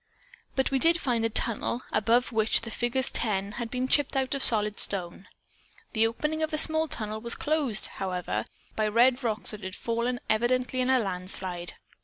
But we did find a tunnel above which the figures 10 had been chipped out of solid stone. The opening of the small tunnel was closed, however, by red rocks that had fallen evidently in a landslide.